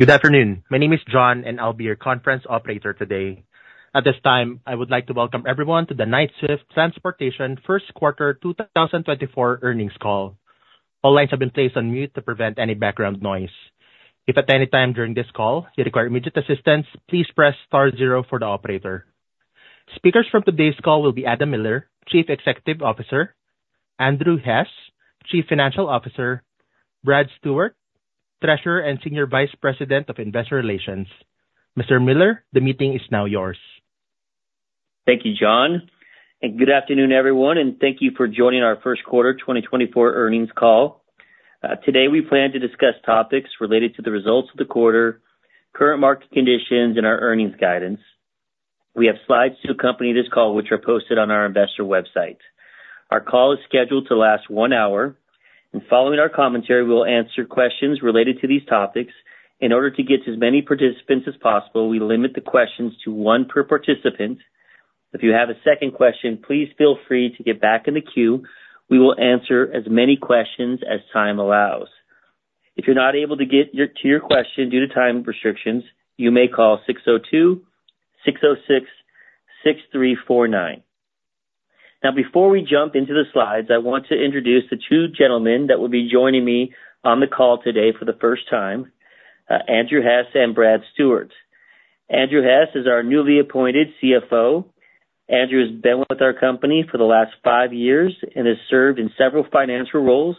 Good afternoon. My name is John, and I'll be your conference operator today. At this time, I would like to welcome everyone to the Knight-Swift Transportation first quarter 2024 earnings call. All lines have been placed on mute to prevent any background noise. If at any time during this call you require immediate assistance, please press star zero for the operator. Speakers from today's call will be Adam Miller, Chief Executive Officer, Andrew Hess, Chief Financial Officer, Brad Stewart, Treasurer and Senior Vice President of Investor Relations. Mr. Miller, the meeting is now yours. Thank you, John. Good afternoon, everyone, and thank you for joining our first quarter 2024 earnings call. Today we plan to discuss topics related to the results of the quarter, current market conditions, and our earnings guidance. We have slides to accompany this call, which are posted on our investor website. Our call is scheduled to last 1 hour, and following our commentary, we will answer questions related to these topics. In order to get to as many participants as possible, we limit the questions to 1 per participant. If you have a second question, please feel free to get back in the queue. We will answer as many questions as time allows. If you're not able to get to your question due to time restrictions, you may call 602-606-6349. Now, before we jump into the slides, I want to introduce the two gentlemen that will be joining me on the call today for the first time: Andrew Hess and Brad Stewart. Andrew Hess is our newly appointed CFO. Andrew has been with our company for the last five years and has served in several financial roles,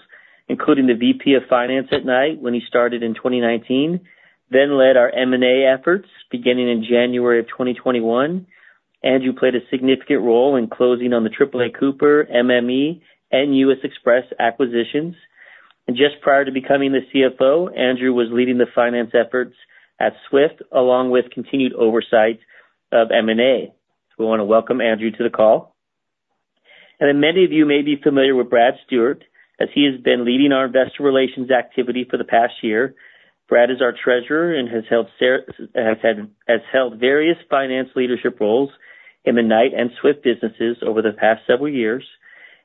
including the VP of Finance at Knight when he started in 2019, then led our M&A efforts beginning in January of 2021. Andrew played a significant role in closing on the AAA Cooper, MME, and U.S. Xpress acquisitions. And just prior to becoming the CFO, Andrew was leading the finance efforts at Swift along with continued oversight of M&A. So we want to welcome Andrew to the call. And then many of you may be familiar with Brad Stewart as he has been leading our investor relations activity for the past year. Brad is our treasurer and has held various finance leadership roles in the Knight and Swift businesses over the past several years.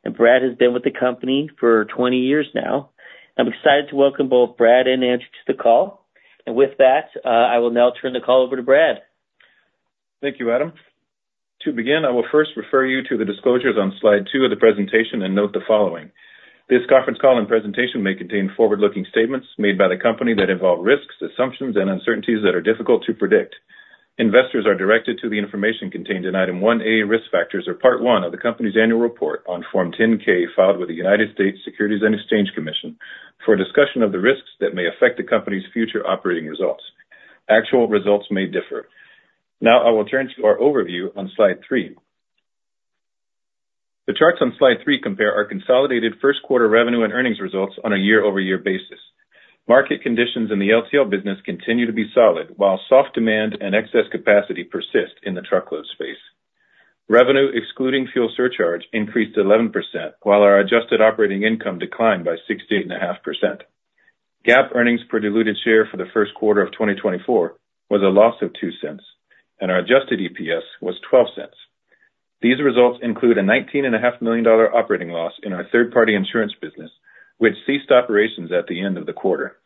And Brad has been with the company for 20 years now. I'm excited to welcome both Brad and Andrew to the call. And with that, I will now turn the call over to Brad. Thank you, Adam. To begin, I will first refer you to the disclosures on slide two of the presentation and note the following: This conference call and presentation may contain forward-looking statements made by the company that involve risks, assumptions, and uncertainties that are difficult to predict. Investors are directed to the information contained in Item 1A, Risk Factors, or Part 1 of the company's annual report on Form 10-K filed with the United States Securities and Exchange Commission for a discussion of the risks that may affect the company's future operating results. Actual results may differ. Now I will turn to our overview on slide three. The charts on slide three compare our consolidated first quarter revenue and earnings results on a year-over-year basis. Market conditions in the LTL business continue to be solid, while soft demand and excess capacity persist in the truckload space. Revenue, excluding fuel surcharge, increased 11%, while our adjusted operating income declined by 68.5%. GAAP earnings per diluted share for the first quarter of 2024 was a loss of $0.02, and our adjusted EPS was $0.12. These results include a $19.5 million operating loss in our third-party insurance business, which ceased operations at the end of the quarter.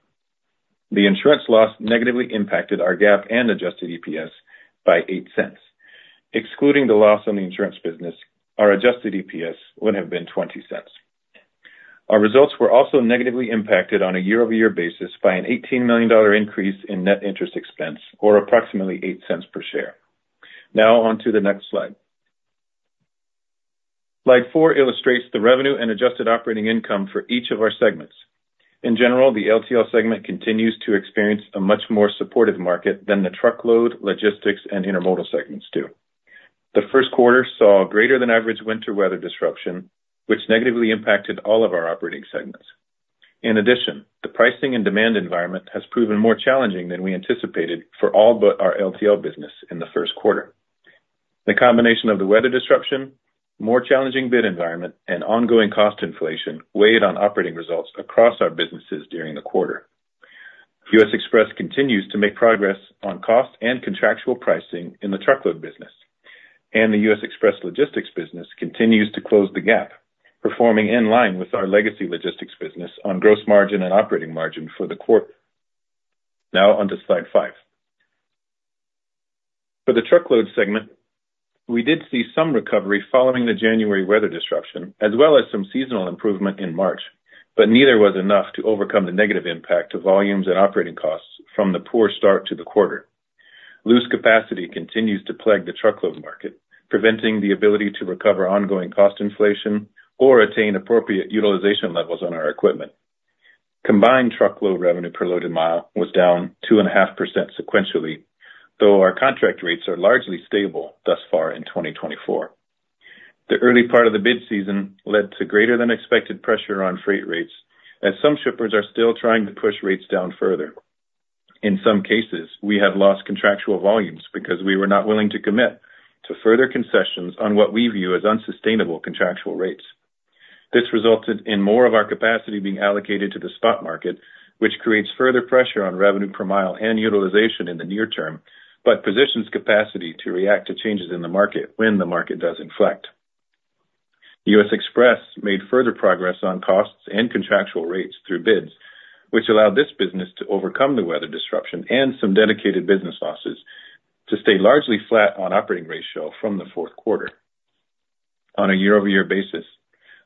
The insurance loss negatively impacted our GAAP and adjusted EPS by $0.08. Excluding the loss on the insurance business, our adjusted EPS would have been $0.20. Our results were also negatively impacted on a year-over-year basis by an $18 million increase in net interest expense, or approximately $0.08 per share. Now onto the next slide. Slide 4 illustrates the revenue and adjusted operating income for each of our segments. In general, the LTL segment continues to experience a much more supportive market than the truckload, logistics, and intermodal segments do. The first quarter saw greater-than-average winter weather disruption, which negatively impacted all of our operating segments. In addition, the pricing and demand environment has proven more challenging than we anticipated for all but our LTL business in the first quarter. The combination of the weather disruption, more challenging bid environment, and ongoing cost inflation weighed on operating results across our businesses during the quarter. U.S. Xpress continues to make progress on cost and contractual pricing in the truckload business, and the U.S. Xpress logistics business continues to close the gap, performing in line with our legacy logistics business on gross margin and operating margin for the quarter. Now onto slide 5. For the truckload segment, we did see some recovery following the January weather disruption, as well as some seasonal improvement in March, but neither was enough to overcome the negative impact to volumes and operating costs from the poor start to the quarter. Loose capacity continues to plague the truckload market, preventing the ability to recover ongoing cost inflation or attain appropriate utilization levels on our equipment. Combined truckload revenue per loaded mile was down 2.5% sequentially, though our contract rates are largely stable thus far in 2024. The early part of the bid season led to greater-than-expected pressure on freight rates, as some shippers are still trying to push rates down further. In some cases, we have lost contractual volumes because we were not willing to commit to further concessions on what we view as unsustainable contractual rates. This resulted in more of our capacity being allocated to the spot market, which creates further pressure on revenue per mile and utilization in the near term but positions capacity to react to changes in the market when the market does inflect. U.S. Xpress made further progress on costs and contractual rates through bids, which allowed this business to overcome the weather disruption and some dedicated business losses to stay largely flat on operating ratio from the fourth quarter. On a year-over-year basis,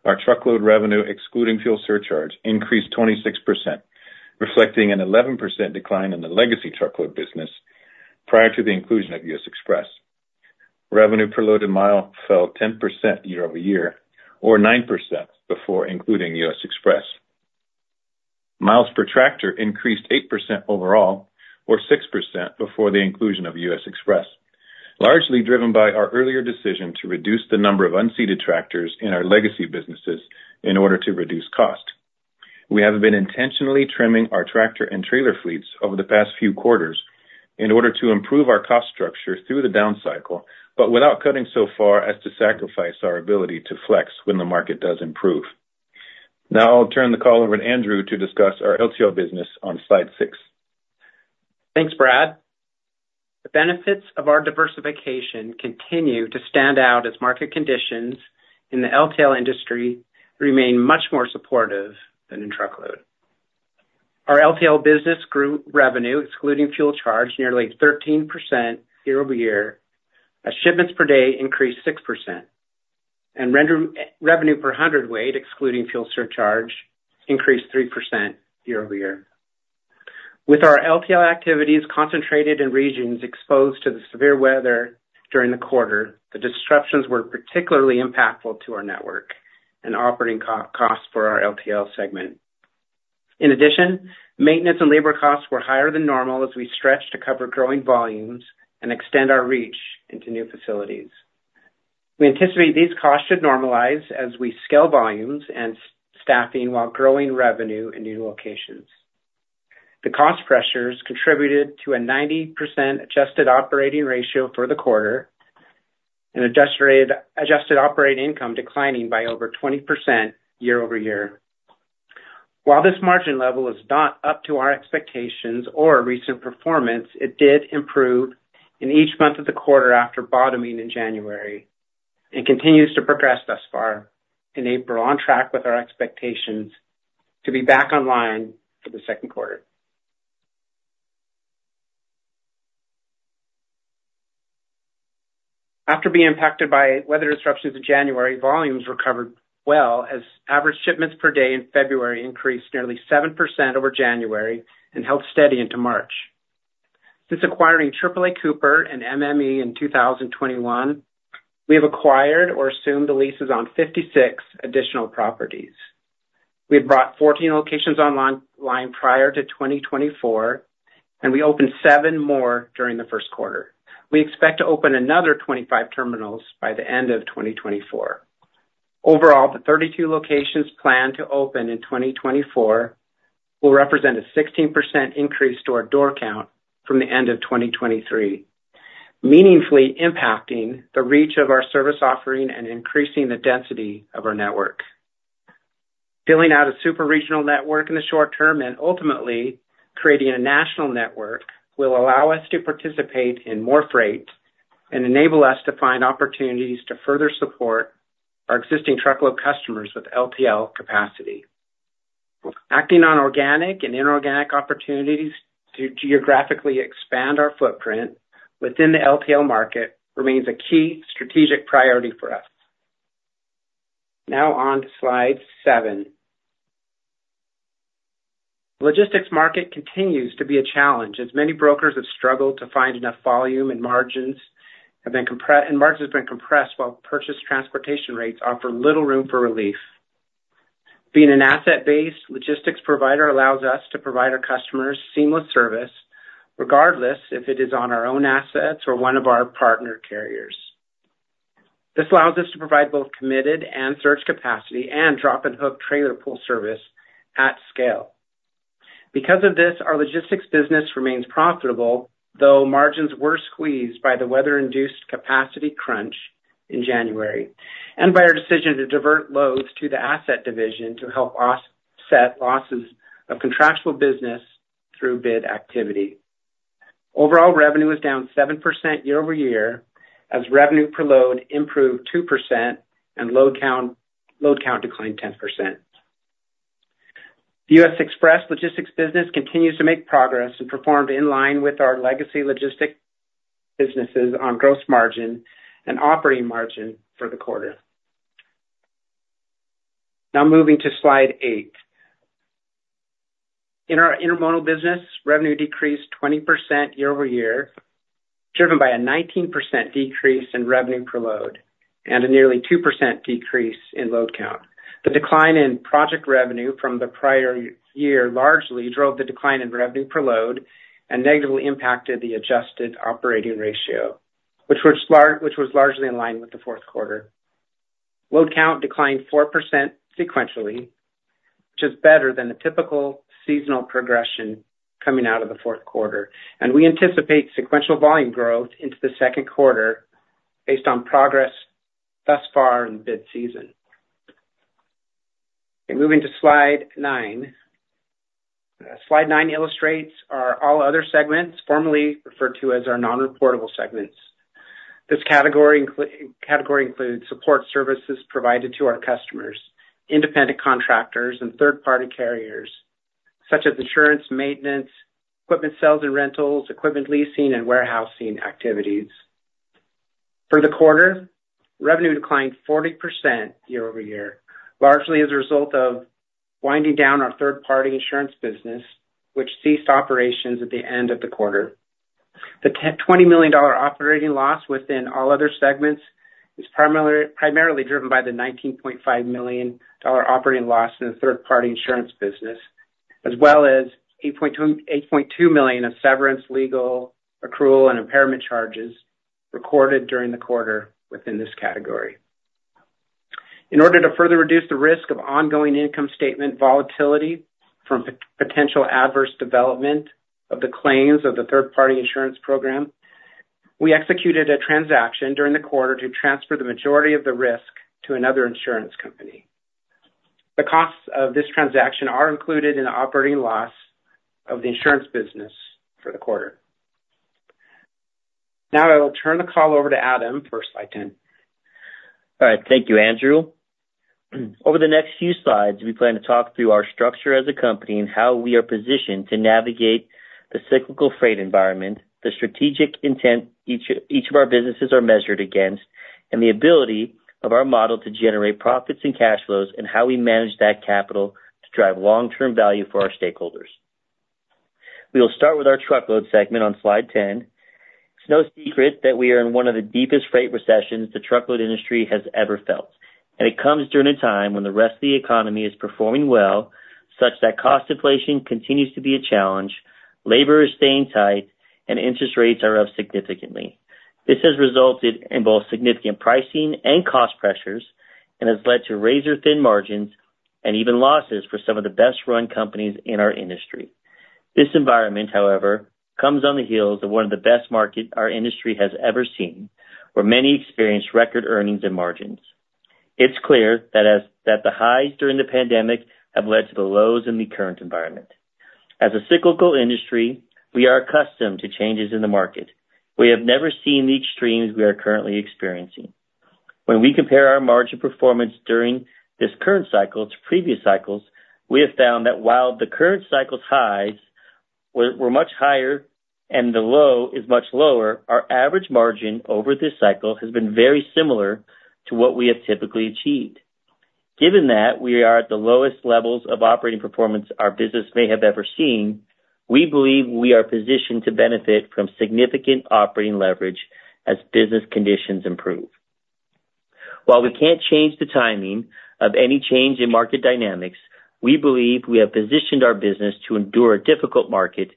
our truckload revenue, excluding fuel surcharge, increased 26%, reflecting an 11% decline in the legacy truckload business prior to the inclusion of U.S. Xpress. Revenue per loaded mile fell 10% year-over-year, or 9%, before including U.S. Xpress. Miles per tractor increased 8% overall, or 6%, before the inclusion of U.S. Express, largely driven by our earlier decision to reduce the number of unseated tractors in our legacy businesses in order to reduce cost. We have been intentionally trimming our tractor and trailer fleets over the past few quarters in order to improve our cost structure through the down cycle but without cutting so far as to sacrifice our ability to flex when the market does improve. Now I'll turn the call over to Andrew to discuss our LTL business on slide 6. Thanks, Brad. The benefits of our diversification continue to stand out as market conditions in the LTL industry remain much more supportive than in truckload. Our LTL business grew revenue, excluding fuel charge, nearly 13% year-over-year. Shipments per day increased 6%, and revenue per hundredweight, excluding fuel surcharge, increased 3% year-over-year. With our LTL activities concentrated in regions exposed to the severe weather during the quarter, the disruptions were particularly impactful to our network and operating costs for our LTL segment. In addition, maintenance and labor costs were higher than normal as we stretched to cover growing volumes and extend our reach into new facilities. We anticipate these costs should normalize as we scale volumes and staffing while growing revenue in new locations. The cost pressures contributed to a 90% adjusted operating ratio for the quarter and adjusted operating income declining by over 20% year-over-year. While this margin level is not up to our expectations or recent performance, it did improve in each month of the quarter after bottoming in January and continues to progress thus far in April, on track with our expectations to be back online for the second quarter. After being impacted by weather disruptions in January, volumes recovered well as average shipments per day in February increased nearly 7% over January and held steady into March. Since acquiring AAA Cooper and MME in 2021, we have acquired or assumed the leases on 56 additional properties. We had brought 14 locations online prior to 2024, and we opened seven more during the first quarter. We expect to open another 25 terminals by the end of 2024. Overall, the 32 locations planned to open in 2024 will represent a 16% increase to our door count from the end of 2023, meaningfully impacting the reach of our service offering and increasing the density of our network. Filling out a superregional network in the short term and ultimately creating a national network will allow us to participate in more freight and enable us to find opportunities to further support our existing truckload customers with LTL capacity. Acting on organic and inorganic opportunities to geographically expand our footprint within the LTL market remains a key strategic priority for us. Now onto slide 7. The logistics market continues to be a challenge as many brokers have struggled to find enough volume and margins have been compressed while purchased transportation rates offer little room for relief. Being an asset-based logistics provider allows us to provide our customers seamless service regardless if it is on our own assets or one of our partner carriers. This allows us to provide both committed and surge capacity and drop-and-hook trailer pull service at scale. Because of this, our logistics business remains profitable, though margins were squeezed by the weather-induced capacity crunch in January and by our decision to divert loads to the asset division to help offset losses of contractual business through bid activity. Overall, revenue was down 7% year-over-year as revenue per load improved 2% and load count declined 10%. The U.S. Xpress logistics business continues to make progress and performed in line with our legacy logistic businesses on gross margin and operating margin for the quarter. Now moving to slide 8. In our intermodal business, revenue decreased 20% year-over-year driven by a 19% decrease in revenue per load and a nearly 2% decrease in load count. The decline in project revenue from the prior year largely drove the decline in revenue per load and negatively impacted the adjusted operating ratio, which was largely in line with the fourth quarter. Load count declined 4% sequentially, which is better than the typical seasonal progression coming out of the fourth quarter. We anticipate sequential volume growth into the second quarter based on progress thus far in the bid season. Okay, moving to Slide 9. Slide 9 illustrates our all other segments, formerly referred to as our non-reportable segments. This category includes support services provided to our customers, independent contractors, and third-party carriers such as insurance, maintenance, equipment sales and rentals, equipment leasing, and warehousing activities. For the quarter, revenue declined 40% year-over-year, largely as a result of winding down our third-party insurance business, which ceased operations at the end of the quarter. The $20 million operating loss within all other segments is primarily driven by the $19.5 million operating loss in the third-party insurance business, as well as $8.2 million of severance, legal, accrual, and impairment charges recorded during the quarter within this category. In order to further reduce the risk of ongoing income statement volatility from potential adverse development of the claims of the third-party insurance program, we executed a transaction during the quarter to transfer the majority of the risk to another insurance company. The costs of this transaction are included in the operating loss of the insurance business for the quarter. Now I will turn the call over to Adam for slide 10. All right. Thank you, Andrew. Over the next few slides, we plan to talk through our structure as a company and how we are positioned to navigate the cyclical freight environment, the strategic intent each of our businesses are measured against, and the ability of our model to generate profits and cash flows and how we manage that capital to drive long-term value for our stakeholders. We will start with our truckload segment on slide 10. It's no secret that we are in one of the deepest freight recessions the truckload industry has ever felt. It comes during a time when the rest of the economy is performing well such that cost inflation continues to be a challenge, labor is staying tight, and interest rates are up significantly. This has resulted in both significant pricing and cost pressures and has led to razor-thin margins and even losses for some of the best-run companies in our industry. This environment, however, comes on the heels of one of the best markets our industry has ever seen, where many experienced record earnings and margins. It's clear that the highs during the pandemic have led to the lows in the current environment. As a cyclical industry, we are accustomed to changes in the market. We have never seen the extremes we are currently experiencing. When we compare our margin performance during this current cycle to previous cycles, we have found that while the current cycle's highs were much higher and the low is much lower, our average margin over this cycle has been very similar to what we have typically achieved. Given that we are at the lowest levels of operating performance our business may have ever seen, we believe we are positioned to benefit from significant operating leverage as business conditions improve. While we can't change the timing of any change in market dynamics, we believe we have positioned our business to endure a difficult market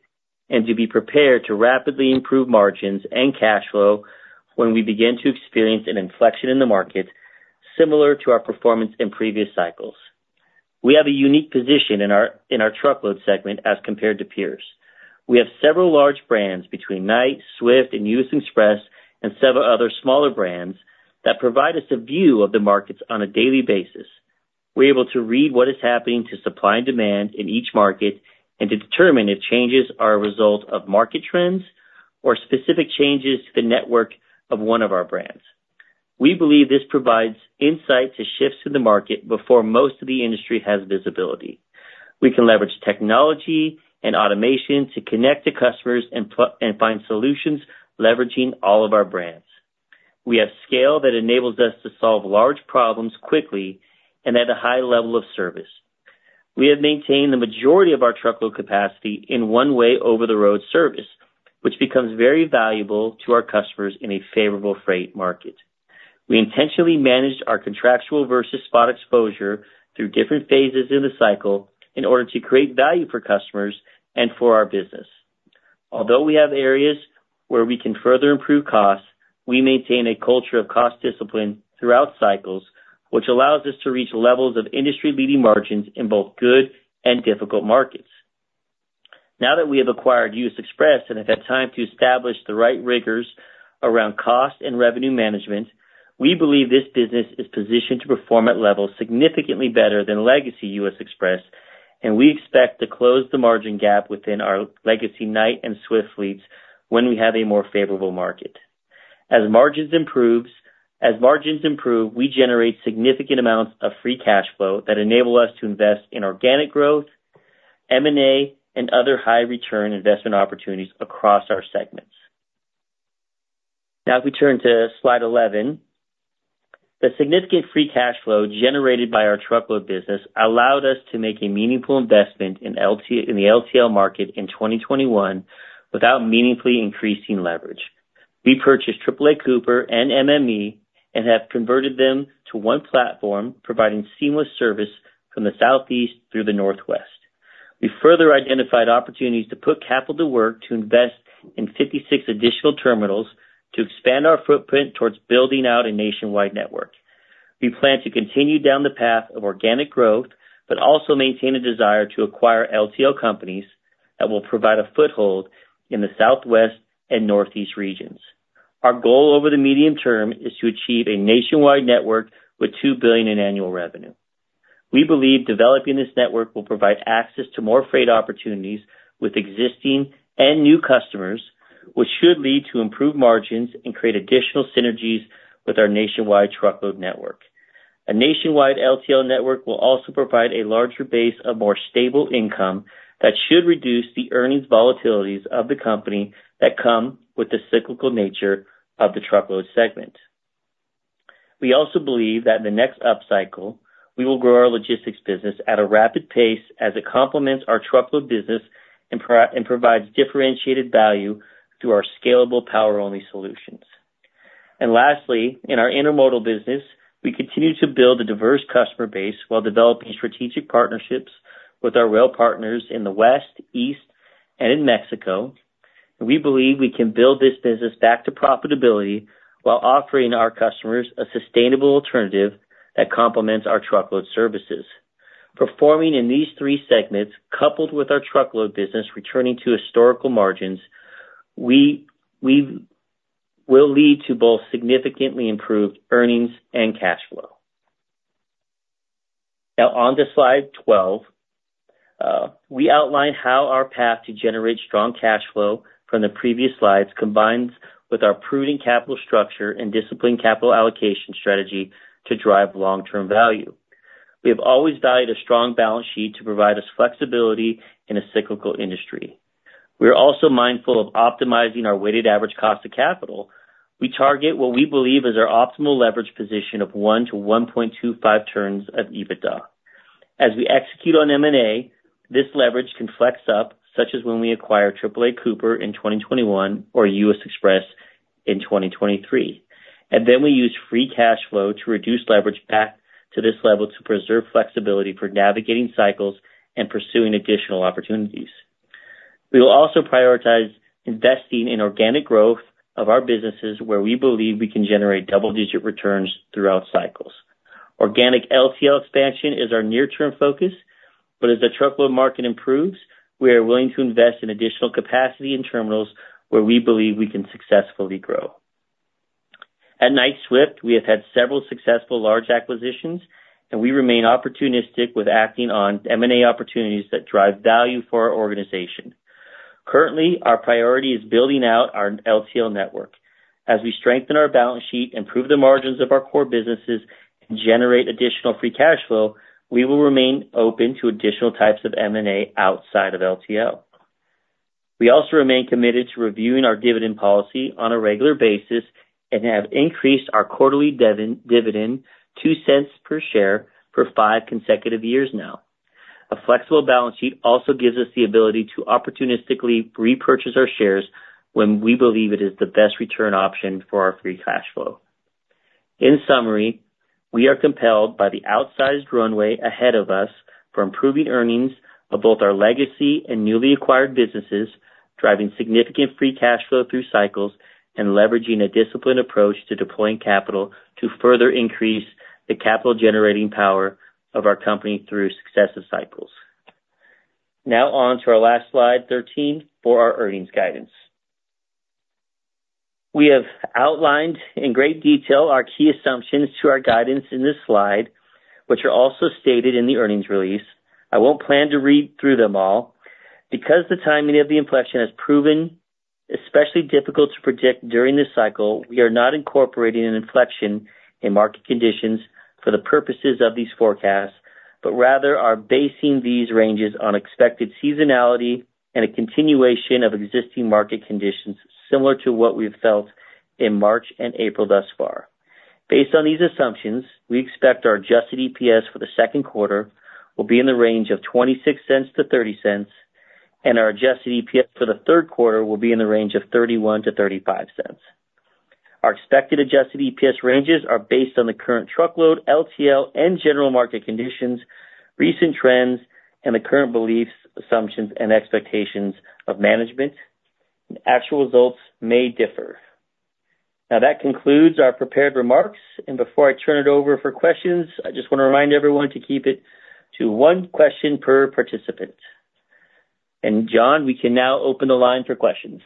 and to be prepared to rapidly improve margins and cash flow when we begin to experience an inflection in the market similar to our performance in previous cycles. We have a unique position in our truckload segment as compared to peers. We have several large brands between Knight-Swift and U.S. Xpress and several other smaller brands that provide us a view of the markets on a daily basis. We're able to read what is happening to supply and demand in each market and to determine if changes are a result of market trends or specific changes to the network of one of our brands. We believe this provides insight to shifts in the market before most of the industry has visibility. We can leverage technology and automation to connect to customers and find solutions leveraging all of our brands. We have scale that enables us to solve large problems quickly and at a high level of service. We have maintained the majority of our truckload capacity in one-way over-the-road service, which becomes very valuable to our customers in a favorable freight market. We intentionally managed our contractual versus spot exposure through different phases in the cycle in order to create value for customers and for our business. Although we have areas where we can further improve costs, we maintain a culture of cost discipline throughout cycles, which allows us to reach levels of industry-leading margins in both good and difficult markets. Now that we have acquired U.S. Xpress and have had time to establish the right rigors around cost and revenue management, we believe this business is positioned to perform at levels significantly better than legacy U.S. Xpress, and we expect to close the margin gap within our legacy Knight and Swift fleets when we have a more favorable market. As margins improve, we generate significant amounts of free cash flow that enable us to invest in organic growth, M&A, and other high-return investment opportunities across our segments. Now if we turn to slide 11, the significant free cash flow generated by our truckload business allowed us to make a meaningful investment in the LTL market in 2021 without meaningfully increasing leverage. We purchased AAA Cooper and MME and have converted them to one platform providing seamless service from the southeast through the northwest. We further identified opportunities to put capital to work to invest in 56 additional terminals to expand our footprint towards building out a nationwide network. We plan to continue down the path of organic growth but also maintain a desire to acquire LTL companies that will provide a foothold in the southwest and northeast regions. Our goal over the medium term is to achieve a nationwide network with $2 billion in annual revenue. We believe developing this network will provide access to more freight opportunities with existing and new customers, which should lead to improved margins and create additional synergies with our nationwide truckload network. A nationwide LTL network will also provide a larger base of more stable income that should reduce the earnings volatilities of the company that come with the cyclical nature of the truckload segment. We also believe that in the next upcycle, we will grow our logistics business at a rapid pace as it complements our truckload business and provides differentiated value through our scalable power-only solutions. Lastly, in our intermodal business, we continue to build a diverse customer base while developing strategic partnerships with our rail partners in the west, east, and in Mexico. We believe we can build this business back to profitability while offering our customers a sustainable alternative that complements our truckload services. Performing in these three segments, coupled with our truckload business returning to historical margins, will lead to both significantly improved earnings and cash flow. Now onto slide 12. We outline how our path to generate strong cash flow from the previous slides combines with our prudent capital structure and disciplined capital allocation strategy to drive long-term value. We have always valued a strong balance sheet to provide us flexibility in a cyclical industry. We are also mindful of optimizing our weighted average cost of capital. We target what we believe is our optimal leverage position of 1-1.25 turns of EBITDA. As we execute on M&A, this leverage can flex up such as when we acquire AAA Cooper in 2021 or U.S. Xpress in 2023. And then we use free cash flow to reduce leverage back to this level to preserve flexibility for navigating cycles and pursuing additional opportunities. We will also prioritize investing in organic growth of our businesses where we believe we can generate double-digit returns throughout cycles. Organic LTL expansion is our near-term focus, but as the truckload market improves, we are willing to invest in additional capacity in terminals where we believe we can successfully grow. At Knight-Swift, we have had several successful large acquisitions, and we remain opportunistic with acting on M&A opportunities that drive value for our organization. Currently, our priority is building out our LTL network. As we strengthen our balance sheet, improve the margins of our core businesses, and generate additional free cash flow, we will remain open to additional types of M&A outside of LTL. We also remain committed to reviewing our dividend policy on a regular basis and have increased our quarterly dividend $0.02 per share for five consecutive years now. A flexible balance sheet also gives us the ability to opportunistically repurchase our shares when we believe it is the best return option for our free cash flow. In summary, we are compelled by the outsized runway ahead of us for improving earnings of both our legacy and newly acquired businesses, driving significant free cash flow through cycles, and leveraging a disciplined approach to deploying capital to further increase the capital-generating power of our company through successive cycles. Now on to our last slide, 13, for our earnings guidance. We have outlined in great detail our key assumptions to our guidance in this slide, which are also stated in the earnings release. I won't plan to read through them all. Because the timing of the inflection has proven especially difficult to predict during this cycle, we are not incorporating an inflection in market conditions for the purposes of these forecasts, but rather are basing these ranges on expected seasonality and a continuation of existing market conditions similar to what we've felt in March and April thus far. Based on these assumptions, we expect our adjusted EPS for the second quarter will be in the range of $0.26-$0.30, and our adjusted EPS for the third quarter will be in the range of $0.31-$0.35. Our expected adjusted EPS ranges are based on the current truckload, LTL, and general market conditions, recent trends, and the current beliefs, assumptions, and expectations of management. Actual results may differ. Now that concludes our prepared remarks. Before I turn it over for questions, I just want to remind everyone to keep it to one question per participant. John, we can now open the line for questions.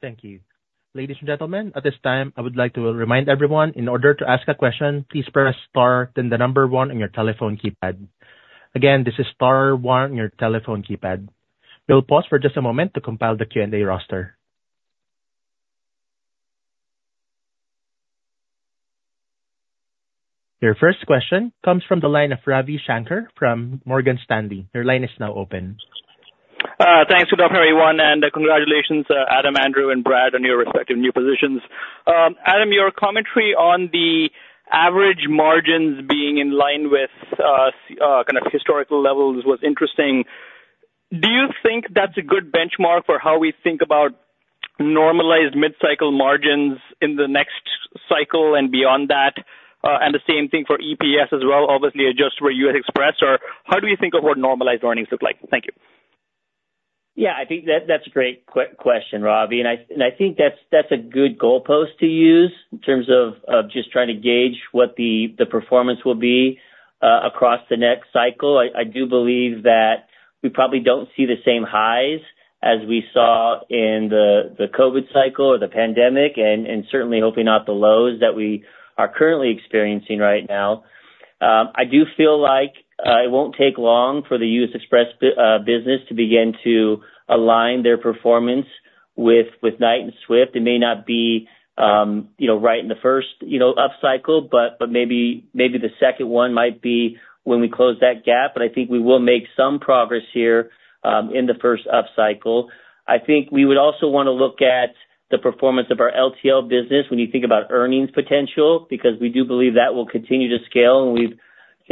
Thank you. Ladies and gentlemen, at this time, I would like to remind everyone, in order to ask a question, please press star then the number one on your telephone keypad. Again, this is star one on your telephone keypad. We'll pause for just a moment to compile the Q&A roster. Your first question comes from the line of Ravi Shanker from Morgan Stanley. Your line is now open. Thanks to both, everyone. Congratulations, Adam, Andrew, and Brad on your respective new positions. Adam, your commentary on the average margins being in line with kind of historical levels was interesting. Do you think that's a good benchmark for how we think about normalized mid-cycle margins in the next cycle and beyond that? And the same thing for EPS as well, obviously adjusted for U.S. Xpress, or how do we think of what normalized earnings look like? Thank you. Yeah, I think that's a great question, Ravi. I think that's a good goalpost to use in terms of just trying to gauge what the performance will be across the next cycle. I do believe that we probably don't see the same highs as we saw in the COVID cycle or the pandemic and certainly hoping not the lows that we are currently experiencing right now. I do feel like it won't take long for the U.S. Xpress business to begin to align their performance with Knight and Swift. It may not be right in the first upcycle, but maybe the second one might be when we close that gap. I think we will make some progress here in the first upcycle. I think we would also want to look at the performance of our LTL business when you think about earnings potential because we do believe that will continue to scale. We've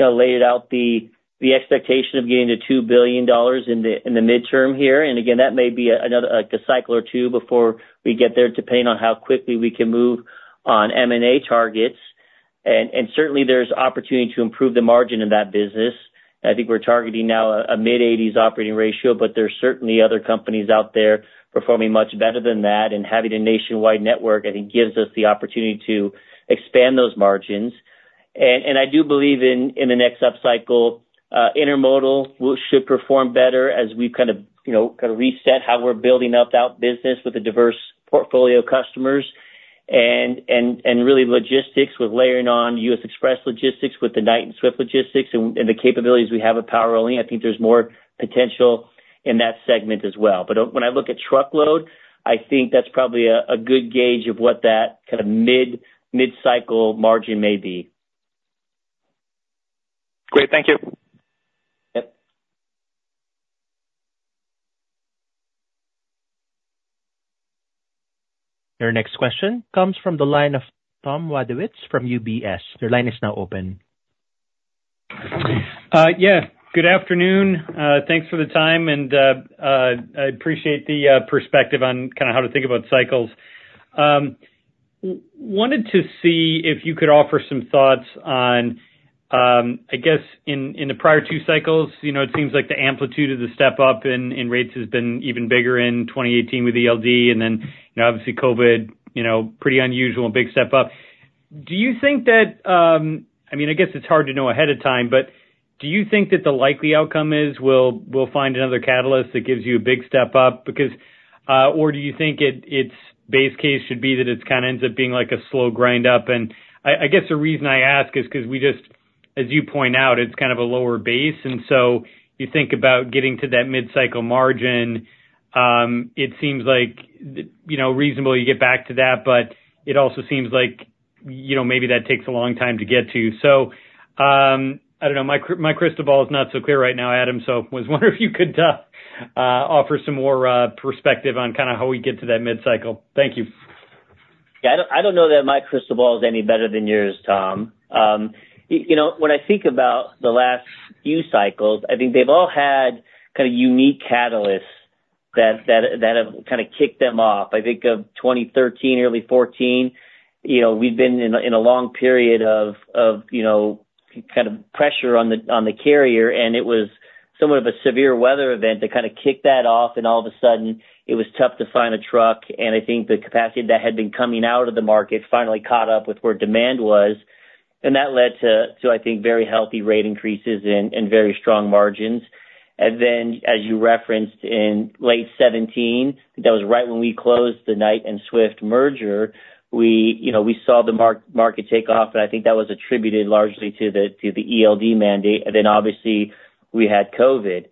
laid out the expectation of getting to $2 billion in the midterm here. Again, that may be a cycle or two before we get there depending on how quickly we can move on M&A targets. Certainly, there's opportunity to improve the margin in that business. I think we're targeting now a mid-80s operating ratio, but there's certainly other companies out there performing much better than that. Having a nationwide network, I think, gives us the opportunity to expand those margins. I do believe in the next upcycle, intermodal should perform better as we kind of reset how we're building up that business with a diverse portfolio of customers and really logistics with layering on U.S. Xpress logistics with the Knight and Swift logistics and the capabilities we have at power only. I think there's more potential in that segment as well. When I look at truckload, I think that's probably a good gauge of what that kind of mid-cycle margin may be. Great. Thank you. Your next question comes from the line of Tom Wadewitz from UBS. Your line is now open. Yeah. Good afternoon. Thanks for the time. And I appreciate the perspective on kind of how to think about cycles. Wanted to see if you could offer some thoughts on, I guess, in the prior two cycles, it seems like the amplitude of the step-up in rates has been even bigger in 2018 with ELD and then obviously COVID, pretty unusual, big step-up. Do you think that, I mean, I guess it's hard to know ahead of time, but do you think that the likely outcome is we'll find another catalyst that gives you a big step-up? Or do you think its base case should be that it kind of ends up being a slow grind-up? And I guess the reason I ask is because we just, as you point out, it's kind of a lower base. And so you think about getting to that mid-cycle margin, it seems like reasonable you get back to that, but it also seems like maybe that takes a long time to get to. So I don't know. My crystal ball is not so clear right now, Adam, so I was wondering if you could offer some more perspective on kind of how we get to that mid-cycle. Thank you. Yeah. I don't know that my crystal ball is any better than yours, Tom. When I think about the last few cycles, I think they've all had kind of unique catalysts that have kind of kicked them off. I think of 2013, early 2014, we've been in a long period of kind of pressure on the carrier, and it was somewhat of a severe weather event to kind of kick that off. And all of a sudden, it was tough to find a truck. And I think the capacity that had been coming out of the market finally caught up with where demand was. And that led to, I think, very healthy rate increases and very strong margins. And then, as you referenced, in late 2017, I think that was right when we closed the Knight and Swift merger, we saw the market take off. I think that was attributed largely to the ELD mandate. Then obviously, we had COVID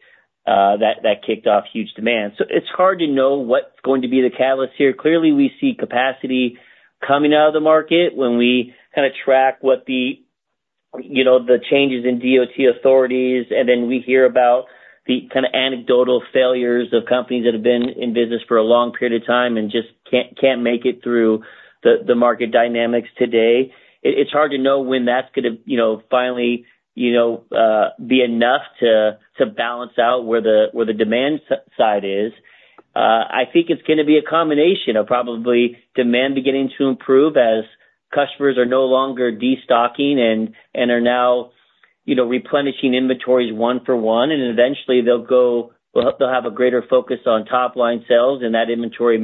that kicked off huge demand. It's hard to know what's going to be the catalyst here. Clearly, we see capacity coming out of the market when we kind of track what the changes in DOT authorities and then we hear about the kind of anecdotal failures of companies that have been in business for a long period of time and just can't make it through the market dynamics today. It's hard to know when that's going to finally be enough to balance out where the demand side is. I think it's going to be a combination of probably demand beginning to improve as customers are no longer destocking and are now replenishing inventories one for one. Eventually, they'll have a greater focus on top-line sales, and that inventory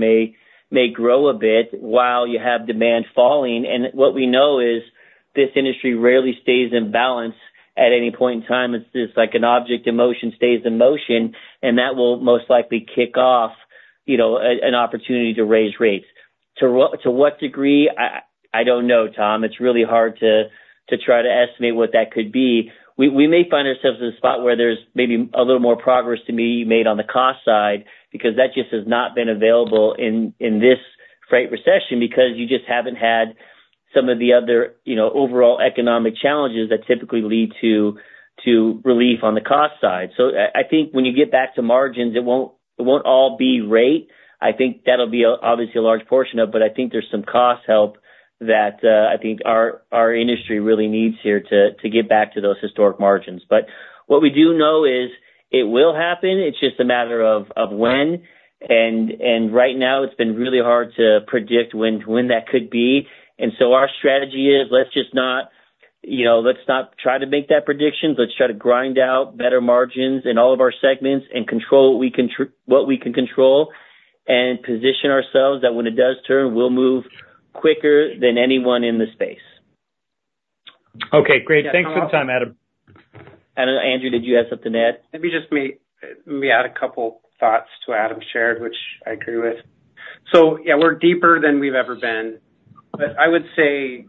may grow a bit while you have demand falling. What we know is this industry rarely stays in balance at any point in time. It's like an object in motion stays in motion, and that will most likely kick off an opportunity to raise rates. To what degree, I don't know, Tom. It's really hard to try to estimate what that could be. We may find ourselves in a spot where there's maybe a little more progress to be made on the cost side because that just has not been available in this freight recession because you just haven't had some of the other overall economic challenges that typically lead to relief on the cost side. So I think when you get back to margins, it won't all be rate. I think that'll be obviously a large portion of it. But I think there's some cost help that I think our industry really needs here to get back to those historic margins. But what we do know is it will happen. It's just a matter of when. And right now, it's been really hard to predict when that could be. And so our strategy is let's just not try to make that prediction. Let's try to grind out better margins in all of our segments and control what we can control and position ourselves that when it does turn, we'll move quicker than anyone in the space. Okay. Great. Thanks for the time, Adam. Andrew, did you have something to add? Let me just add a couple thoughts to Adam's shared, which I agree with. So yeah, we're deeper than we've ever been. But I would say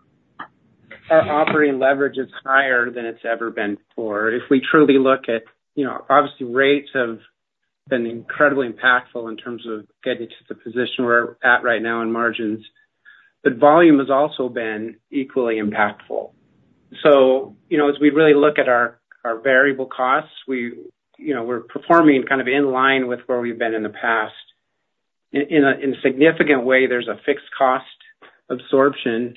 our operating leverage is higher than it's ever been before. If we truly look at, obviously, rates have been incredibly impactful in terms of getting to the position we're at right now in margins. But volume has also been equally impactful. So as we really look at our variable costs, we're performing kind of in line with where we've been in the past. In a significant way, there's a fixed cost absorption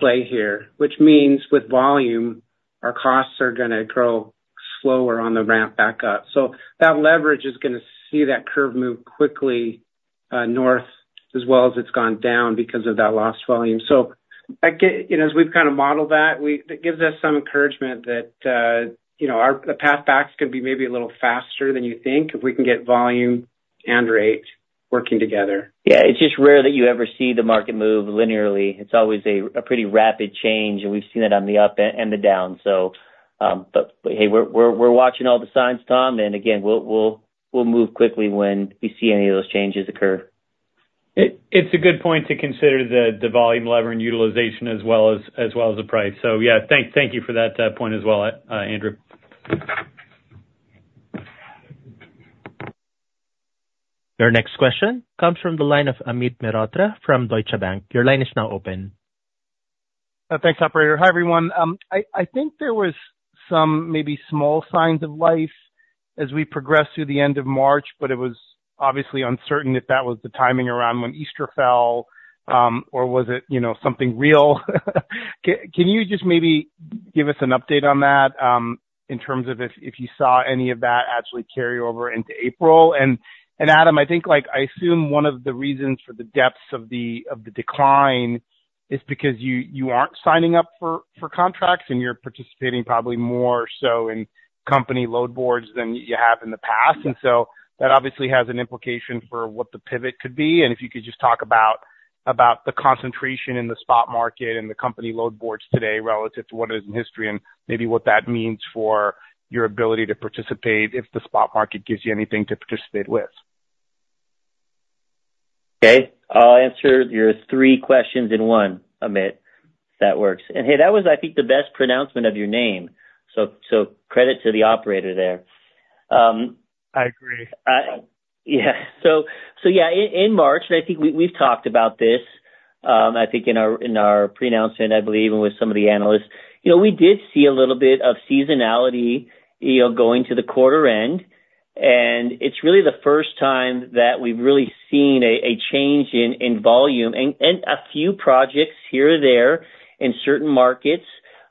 play here, which means with volume, our costs are going to grow slower on the ramp back up. So that leverage is going to see that curve move quickly north as well as it's gone down because of that lost volume. So as we've kind of modeled that, it gives us some encouragement that the path back is going to be maybe a little faster than you think if we can get volume and rate working together. Yeah. It's just rare that you ever see the market move linearly. It's always a pretty rapid change. We've seen that on the up and the down. Hey, we're watching all the signs, Tom. Again, we'll move quickly when we see any of those changes occur. It's a good point to consider the volume lever and utilization as well as the price. So yeah, thank you for that point as well, Andrew. Your next question comes from the line of Amit Mehrotra from Deutsche Bank. Your line is now open. Thanks, operator. Hi everyone. I think there was some maybe small signs of life as we progressed through the end of March, but it was obviously uncertain if that was the timing around when Easter fell or was it something real. Can you just maybe give us an update on that in terms of if you saw any of that actually carry over into April? And Adam, I assume one of the reasons for the depths of the decline is because you aren't signing up for contracts, and you're participating probably more so in company load boards than you have in the past. And so that obviously has an implication for what the pivot could be. If you could just talk about the concentration in the spot market and the company load boards today relative to what it is in history and maybe what that means for your ability to participate if the spot market gives you anything to participate with? Okay. I'll answer your three questions in one, Amit, if that works. And hey, that was, I think, the best pronouncement of your name. So credit to the operator there. I agree. Yeah. So yeah, in March, and I think we've talked about this, I think, in our pronouncement, I believe, and with some of the analysts, we did see a little bit of seasonality going to the quarter end. And it's really the first time that we've really seen a change in volume and a few projects here or there in certain markets.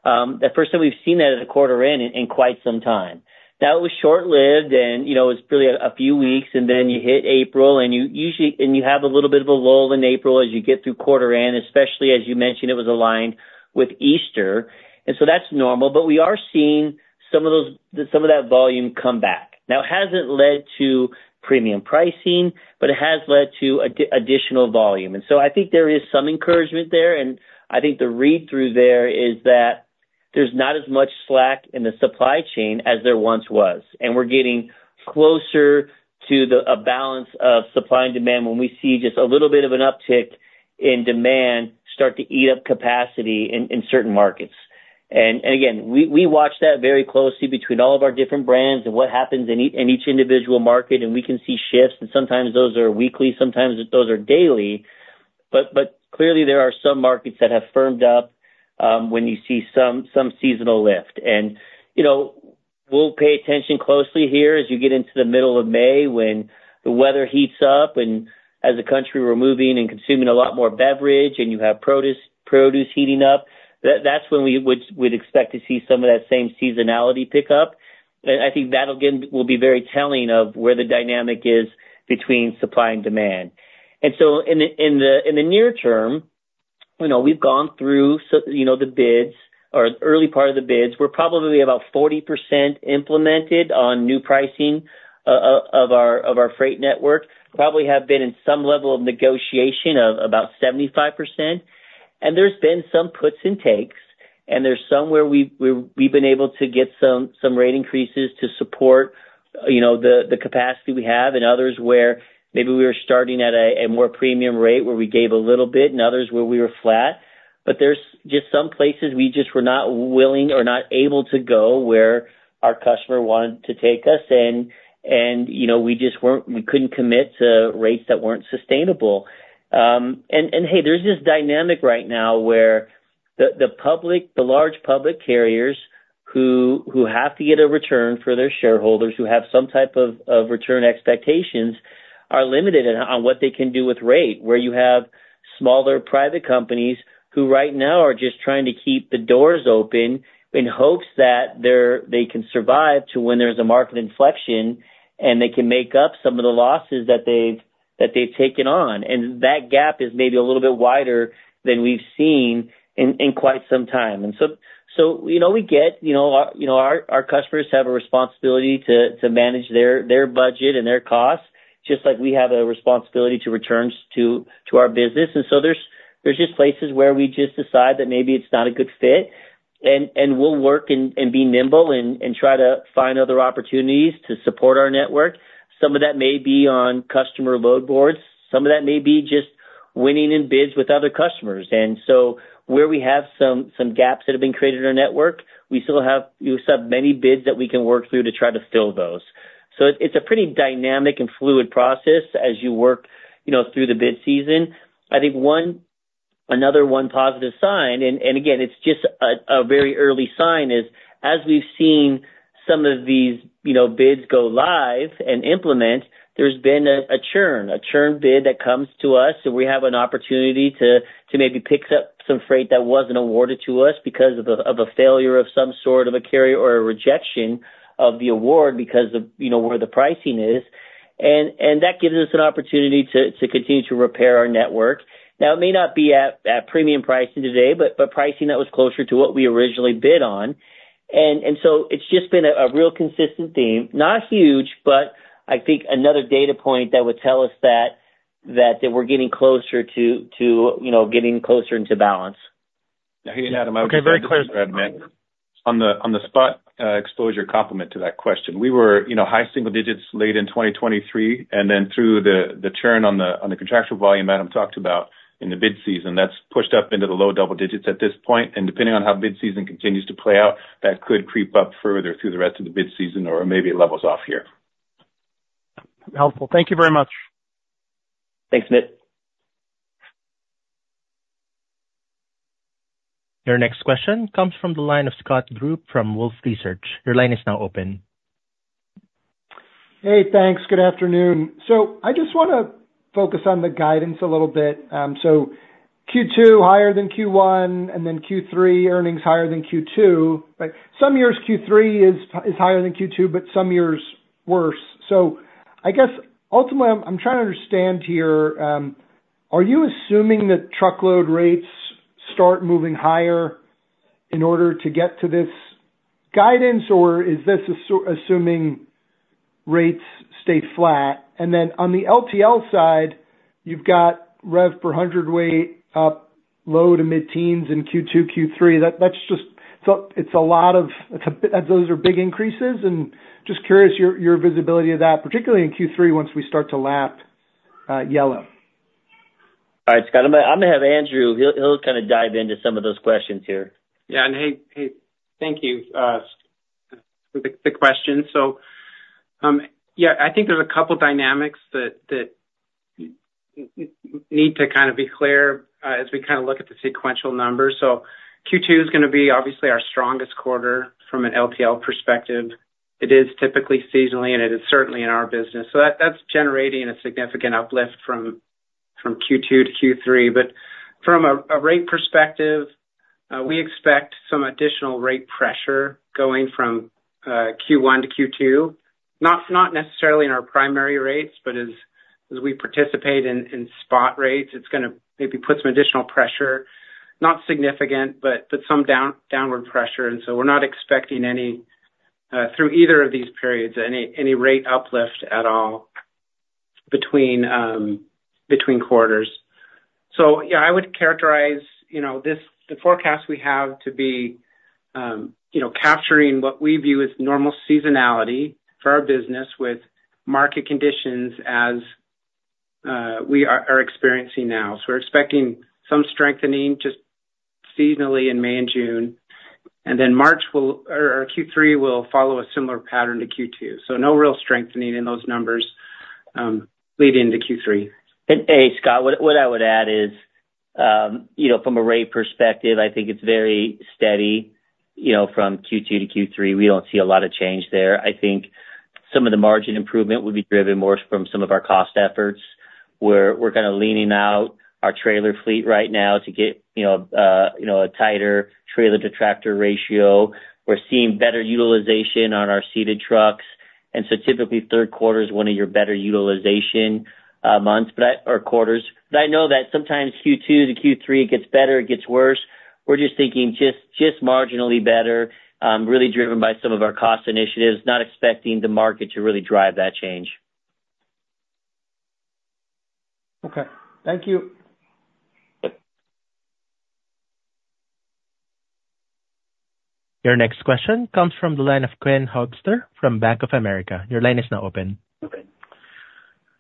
The first time we've seen that at the quarter end in quite some time. Now, it was short-lived, and it was really a few weeks. And then you hit April, and you have a little bit of a lull in April as you get through quarter end, especially as you mentioned, it was aligned with Easter. And so that's normal. But we are seeing some of that volume come back. Now, it hasn't led to premium pricing, but it has led to additional volume. And so I think there is some encouragement there. And I think the read-through there is that there's not as much slack in the supply chain as there once was. And we're getting closer to a balance of supply and demand when we see just a little bit of an uptick in demand start to eat up capacity in certain markets. And again, we watch that very closely between all of our different brands and what happens in each individual market. And we can see shifts. And sometimes those are weekly. Sometimes those are daily. But clearly, there are some markets that have firmed up when you see some seasonal lift. And we'll pay attention closely here as you get into the middle of May when the weather heats up. As a country, we're moving and consuming a lot more beverage, and you have produce heating up. That's when we would expect to see some of that same seasonality pick up. I think that, again, will be very telling of where the dynamic is between supply and demand. So in the near term, we've gone through the bids or early part of the bids. We're probably about 40% implemented on new pricing of our freight network, probably have been in some level of negotiation of about 75%. There's been some puts and takes. There's some where we've been able to get some rate increases to support the capacity we have and others where maybe we were starting at a more premium rate where we gave a little bit and others where we were flat. But there's just some places we just were not willing or not able to go where our customer wanted to take us. And we couldn't commit to rates that weren't sustainable. And hey, there's this dynamic right now where the large public carriers who have to get a return for their shareholders, who have some type of return expectations, are limited on what they can do with rate, where you have smaller private companies who right now are just trying to keep the doors open in hopes that they can survive to when there's a market inflection and they can make up some of the losses that they've taken on. And that gap is maybe a little bit wider than we've seen in quite some time. We get our customers have a responsibility to manage their budget and their costs just like we have a responsibility to returns to our business. There's just places where we just decide that maybe it's not a good fit. We'll work and be nimble and try to find other opportunities to support our network. Some of that may be on customer load boards. Some of that may be just winning in bids with other customers. Where we have some gaps that have been created in our network, we still have many bids that we can work through to try to fill those. It's a pretty dynamic and fluid process as you work through the bid season. I think another one positive sign, and again, it's just a very early sign, is as we've seen some of these bids go live and implement, there's been a churn, a churn bid that comes to us, and we have an opportunity to maybe pick up some freight that wasn't awarded to us because of a failure of some sort of a carrier or a rejection of the award because of where the pricing is. And that gives us an opportunity to continue to repair our network. Now, it may not be at premium pricing today, but pricing that was closer to what we originally bid on. And so it's just been a real consistent theme, not huge, but I think another data point that would tell us that we're getting closer to getting closer into balance. Now, hey, Adam, I was just going to add a minute on the spot exposure to complement that question. We were high single digits late in 2023. And then through the churn on the contractual volume Adam talked about in the bid season, that's pushed up into the low double digits at this point. And depending on how bid season continues to play out, that could creep up further through the rest of the bid season or maybe it levels off here. Helpful. Thank you very much. Thanks, Amit. Your next question comes from the line of Scott Group from Wolfe Research. Your line is now open. Hey, thanks. Good afternoon. I just want to focus on the guidance a little bit. Q2 higher than Q1, and then Q3 earnings higher than Q2. Some years, Q3 is higher than Q2, but some years worse. I guess ultimately, I'm trying to understand here, are you assuming that truckload rates start moving higher in order to get to this guidance, or is this assuming rates stay flat? And then on the LTL side, you've got rev per hundredweight up, low to mid-teens in Q2, Q3. It's a lot of those are big increases. And just curious your visibility of that, particularly in Q3 once we start to lap Yellow. All right, Scott. I'm going to have Andrew. He'll kind of dive into some of those questions here. Yeah. And hey, thank you for the question. So yeah, I think there's a couple of dynamics that need to kind of be clear as we kind of look at the sequential numbers. So Q2 is going to be obviously our strongest quarter from an LTL perspective. It is typically seasonally, and it is certainly in our business. So that's generating a significant uplift from Q2 to Q3. But from a rate perspective, we expect some additional rate pressure going from Q1 to Q2, not necessarily in our primary rates, but as we participate in spot rates, it's going to maybe put some additional pressure, not significant, but some downward pressure. And so we're not expecting any through either of these periods, any rate uplift at all between quarters. So yeah, I would characterize the forecast we have to be capturing what we view as normal seasonality for our business with market conditions as we are experiencing now. So we're expecting some strengthening just seasonally in May and June. And then March or Q3 will follow a similar pattern to Q2. So no real strengthening in those numbers leading into Q3. Hey, Scott, what I would add is from a rate perspective, I think it's very steady from Q2 to Q3. We don't see a lot of change there. I think some of the margin improvement would be driven more from some of our cost efforts. We're kind of leaning out our trailer fleet right now to get a tighter trailer-to-tractor ratio. We're seeing better utilization on our seated trucks. And so typically, third quarter is one of your better utilization months or quarters. But I know that sometimes Q2 to Q3, it gets better. It gets worse. We're just thinking just marginally better, really driven by some of our cost initiatives, not expecting the market to really drive that change. Okay. Thank you. Your next question comes from the line of Ken Hoexter from Bank of America. Your line is now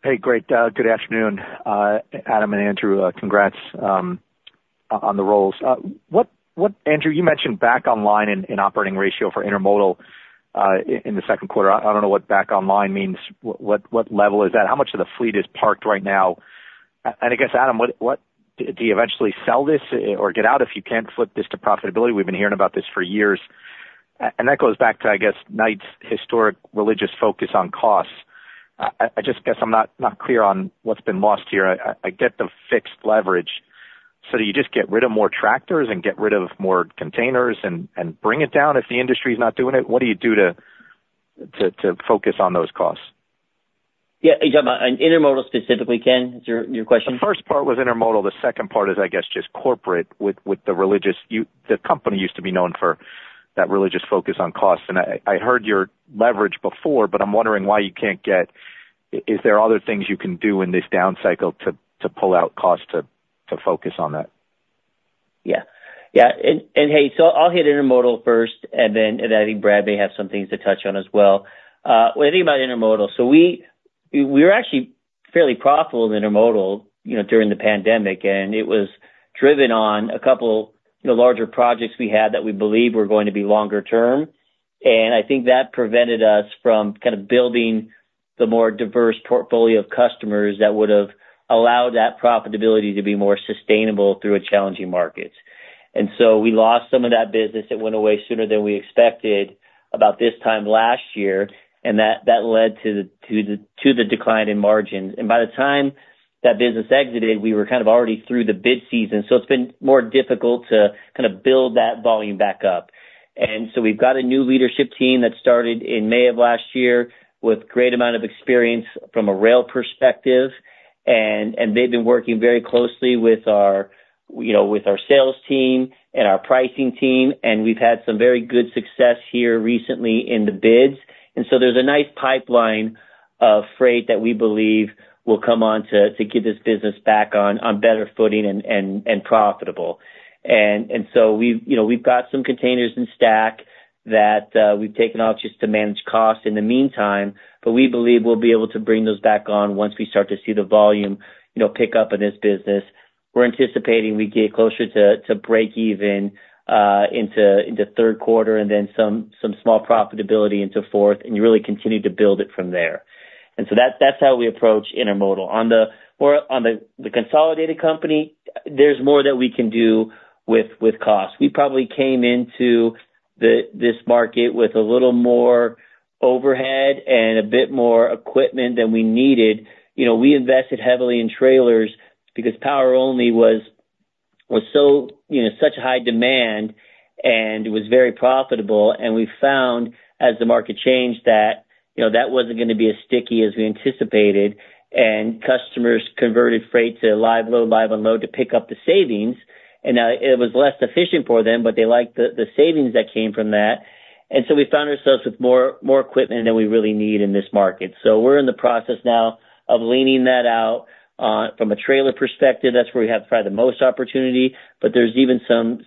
open. Hey, great. Good afternoon, Adam and Andrew. Congrats on the roles. Andrew, you mentioned back online and operating ratio for Intermodal in the second quarter. I don't know what back online means. What level is that? How much of the fleet is parked right now? And I guess, Adam, do you eventually sell this or get out if you can't flip this to profitability? We've been hearing about this for years. And that goes back to, I guess, Knight's historic religious focus on costs. I just guess I'm not clear on what's been lost here. I get the fixed leverage. So do you just get rid of more tractors and get rid of more containers and bring it down if the industry is not doing it? What do you do to focus on those costs? Yeah, exactly. And Intermodal specifically, Ken, is your question? The first part was Intermodal. The second part is, I guess, just corporate with the rigorous company used to be known for that rigorous focus on costs. And I heard your leverage before, but I'm wondering why you can't get. Is there other things you can do in this downcycle to pull out costs to focus on that? Yeah. Yeah. Hey, so I'll hit Intermodal first, and then I think Brad may have some things to touch on as well. When I think about Intermodal, we were actually fairly profitable in Intermodal during the pandemic, and it was driven on a couple of larger projects we had that we believed were going to be longer term. I think that prevented us from kind of building the more diverse portfolio of customers that would have allowed that profitability to be more sustainable through a challenging market. So we lost some of that business. It went away sooner than we expected about this time last year. That led to the decline in margins. By the time that business exited, we were kind of already through the bid season. It's been more difficult to kind of build that volume back up. We've got a new leadership team that started in May of last year with a great amount of experience from a rail perspective. They've been working very closely with our sales team and our pricing team. We've had some very good success here recently in the bids. There's a nice pipeline of freight that we believe will come on to get this business back on better footing and profitable. We've got some containers in stack that we've taken off just to manage costs in the meantime. But we believe we'll be able to bring those back on once we start to see the volume pick up in this business. We're anticipating we get closer to break-even into third quarter and then some small profitability into fourth and really continue to build it from there. That's how we approach Intermodal. On the consolidated company, there's more that we can do with costs. We probably came into this market with a little more overhead and a bit more equipment than we needed. We invested heavily in trailers because power only was such a high demand, and it was very profitable. We found as the market changed that that wasn't going to be as sticky as we anticipated. Customers converted freight to live load, live unload to pick up the savings. Now it was less efficient for them, but they liked the savings that came from that. We found ourselves with more equipment than we really need in this market. We're in the process now of leaning that out from a trailer perspective. That's where we have probably the most opportunity. But there's even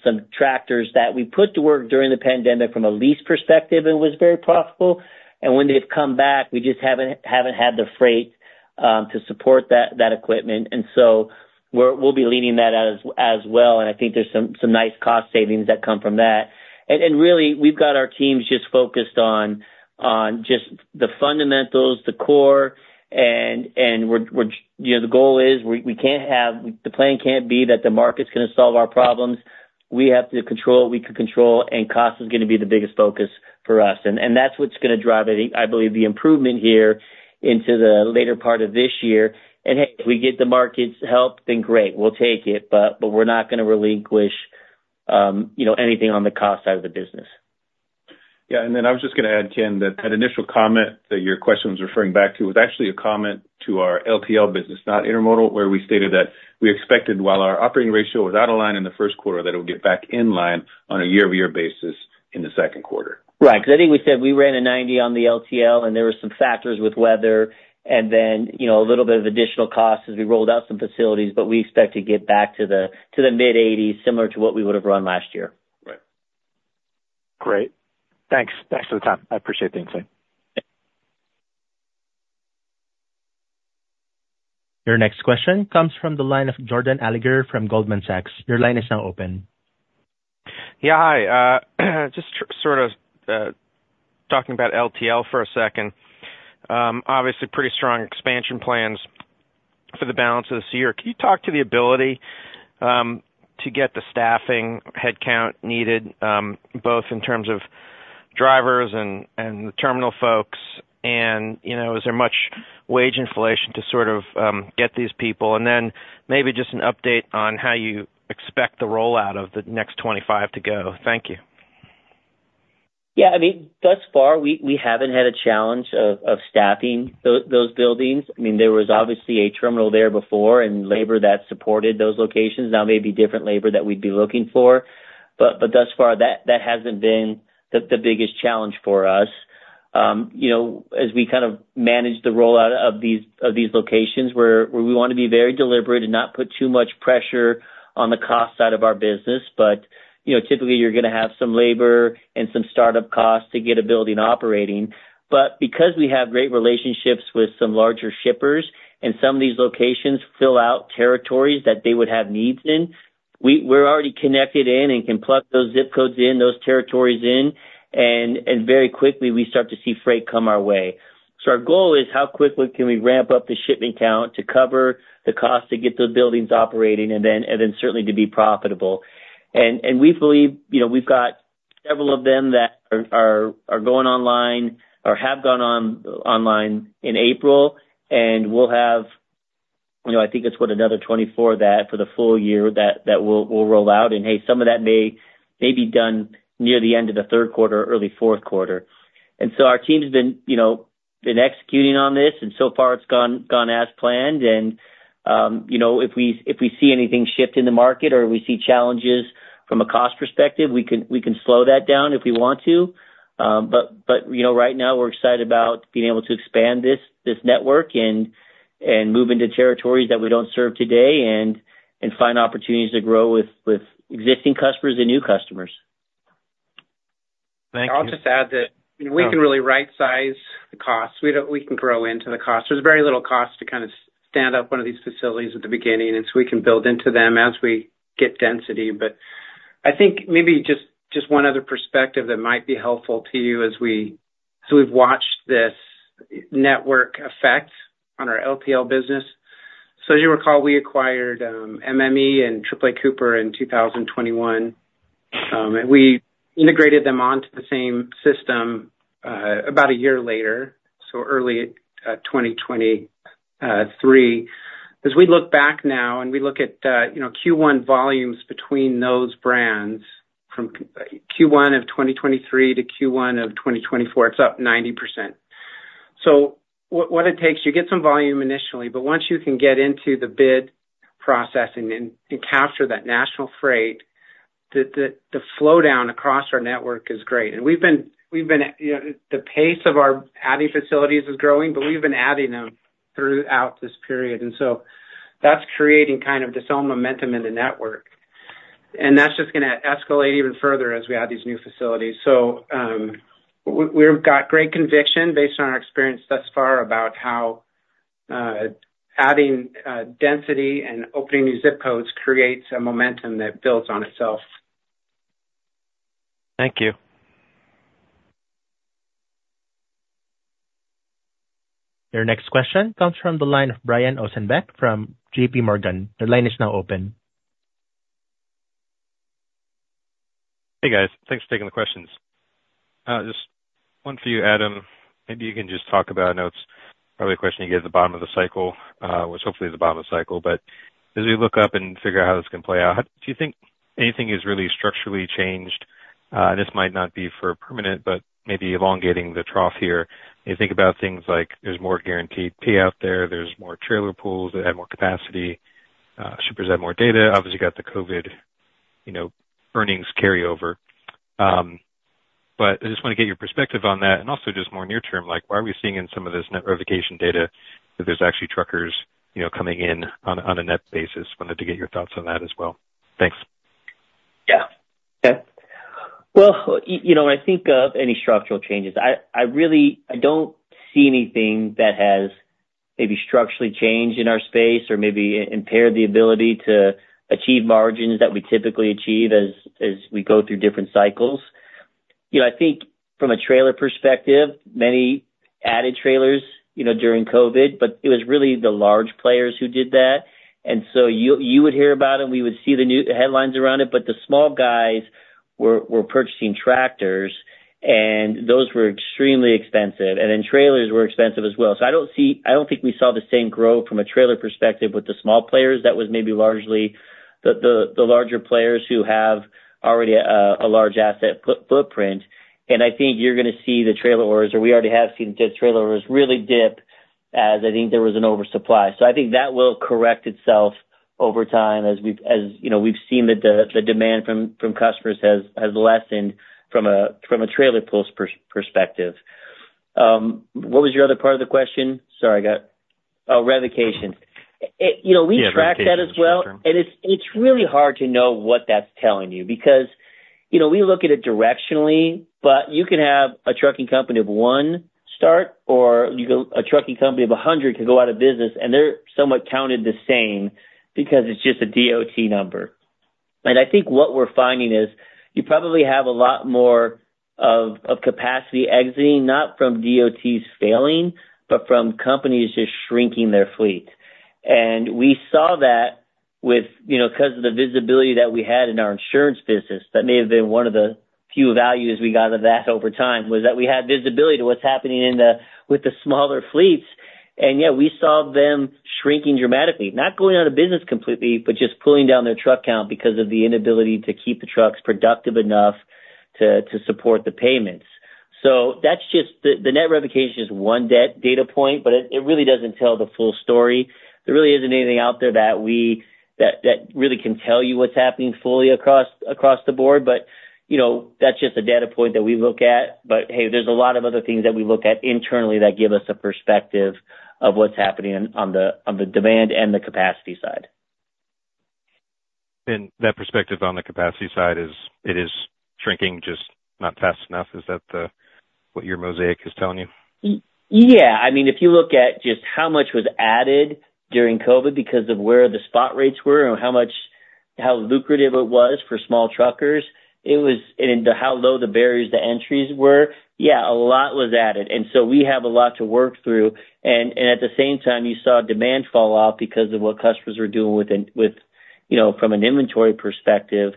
some tractors that we put to work during the pandemic from a lease perspective and was very profitable. And when they've come back, we just haven't had the freight to support that equipment. And so we'll be leaning that out as well. And I think there's some nice cost savings that come from that. And really, we've got our teams just focused on just the fundamentals, the core. And the goal is we can't have the plan can't be that the market's going to solve our problems. We have to control what we can control, and cost is going to be the biggest focus for us. And that's what's going to drive, I believe, the improvement here into the later part of this year. And hey, if we get the market's help, then great. We'll take it, but we're not going to relinquish anything on the cost side of the business. Yeah. And then I was just going to add, Ken, that that initial comment that your question was referring back to was actually a comment to our LTL business, not Intermodal, where we stated that we expected while our operating ratio was out of line in the first quarter, that it would get back in line on a year-over-year basis in the second quarter. Right. Because I think we said we ran a 90 on the LTL, and there were some factors with weather and then a little bit of additional costs as we rolled out some facilities. But we expect to get back to the mid-80s similar to what we would have run last year. Right. Great. Thanks for the time. I appreciate being saved. Your next question comes from the line of Jordan Alliger from Goldman Sachs. Your line is now open. Yeah. Hi. Just sort of talking about LTL for a second. Obviously, pretty strong expansion plans for the balance of this year. Can you talk to the ability to get the staffing headcount needed, both in terms of drivers and the terminal folks? And is there much wage inflation to sort of get these people? And then maybe just an update on how you expect the rollout of the next 25 to go. Thank you. Yeah. I mean, thus far, we haven't had a challenge of staffing those buildings. I mean, there was obviously a terminal there before, and labor that supported those locations. Now, maybe different labor that we'd be looking for. But thus far, that hasn't been the biggest challenge for us. As we kind of manage the rollout of these locations, we want to be very deliberate and not put too much pressure on the cost side of our business. But typically, you're going to have some labor and some startup costs to get a building operating. But because we have great relationships with some larger shippers and some of these locations fill out territories that they would have needs in, we're already connected in and can plug those ZIP codes in, those territories in. And very quickly, we start to see freight come our way. So our goal is how quickly can we ramp up the shipment count to cover the cost to get those buildings operating and then certainly to be profitable? And we believe we've got several of them that are going online or have gone online in April. And we'll have I think it's what, another 24 for the full year that we'll roll out. And hey, some of that may be done near the end of the third quarter, early fourth quarter. And so our team's been executing on this. And so far, it's gone as planned. And if we see anything shift in the market or we see challenges from a cost perspective, we can slow that down if we want to. Right now, we're excited about being able to expand this network and move into territories that we don't serve today and find opportunities to grow with existing customers and new customers. Thank you. I'll just add that we can really right-size the costs. We can grow into the costs. There's very little cost to kind of stand up one of these facilities at the beginning. And so we can build into them as we get density. But I think maybe just one other perspective that might be helpful to you as we've watched this network effect on our LTL business. So as you recall, we acquired MME and AAA Cooper in 2021. And we integrated them onto the same system about a year later, so early 2023. As we look back now and we look at Q1 volumes between those brands, from Q1 of 2023 to Q1 of 2024, it's up 90%. So what it takes, you get some volume initially. But once you can get into the bid processing and capture that national freight, the flowdown across our network is great. The pace of our adding facilities is growing, but we've been adding them throughout this period. That's creating kind of its own momentum in the network. That's just going to escalate even further as we add these new facilities. We've got great conviction based on our experience thus far about how adding density and opening new ZIP codes creates a momentum that builds on itself. Thank you. Your next question comes from the line of Brian Ossenbeck from JPMorgan. Your line is now open. Hey, guys. Thanks for taking the questions. Just one for you, Adam. Maybe you can just talk about. I know it's probably a question you get at the bottom of the cycle, which hopefully is the bottom of the cycle. But as we look up and figure out how this can play out, do you think anything has really structurally changed? And this might not be permanent, but maybe elongating the trough here. You think about things like there's more guaranteed pay out there. There's more trailer pools. They had more capacity. Shippers had more data. Obviously, you got the COVID earnings carryover. But I just want to get your perspective on that. And also just more near-term, why are we seeing in some of this net revocation data that there's actually truckers coming in on a net basis? Wanted to get your thoughts on that as well. Thanks. Yeah. Okay. Well, when I think of any structural changes, I don't see anything that has maybe structurally changed in our space or maybe impaired the ability to achieve margins that we typically achieve as we go through different cycles. I think from a trailer perspective, many added trailers during COVID, but it was really the large players who did that. And so you would hear about it. We would see the headlines around it. But the small guys were purchasing tractors, and those were extremely expensive. And then trailers were expensive as well. So I don't think we saw the same growth from a trailer perspective with the small players. That was maybe largely the larger players who have already a large asset footprint. I think you're going to see the trailer orders, or we already have seen the trailer orders really dip as I think there was an oversupply. So I think that will correct itself over time as we've seen that the demand from customers has lessened from a trailer pools perspective. What was your other part of the question? Sorry. Oh, revocation. We track that as well. It's really hard to know what that's telling you because we look at it directionally. But you can have a trucking company of one start, or a trucking company of 100 could go out of business, and they're somewhat counted the same because it's just a DOT number. I think what we're finding is you probably have a lot more of capacity exiting, not from DOT's failing, but from companies just shrinking their fleet. We saw that because of the visibility that we had in our insurance business. That may have been one of the few values we got out of that over time was that we had visibility to what's happening with the smaller fleets. And yeah, we saw them shrinking dramatically, not going out of business completely, but just pulling down their truck count because of the inability to keep the trucks productive enough to support the payments. So the net revocation is one data point, but it really doesn't tell the full story. There really isn't anything out there that really can tell you what's happening fully across the board. But that's just a data point that we look at. But hey, there's a lot of other things that we look at internally that give us a perspective of what's happening on the demand and the capacity side. That perspective on the capacity side, it is shrinking, just not fast enough. Is that what your mosaic is telling you? Yeah. I mean, if you look at just how much was added during COVID because of where the spot rates were and how lucrative it was for small truckers and how low the barriers to entry were, yeah, a lot was added. And so we have a lot to work through. And at the same time, you saw demand fall off because of what customers were doing from an inventory perspective.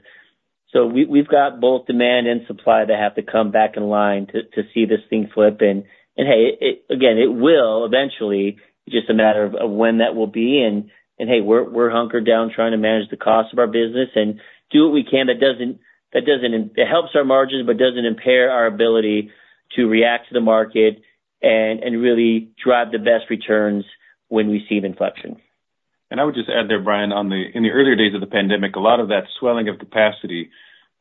So we've got both demand and supply that have to come back in line to see this thing flip. And hey, again, it will eventually. It's just a matter of when that will be. And hey, we're hunkered down trying to manage the cost of our business and do what we can that doesn't it helps our margins but doesn't impair our ability to react to the market and really drive the best returns when we see inflection. I would just add there, Brian, in the earlier days of the pandemic, a lot of that swelling of capacity,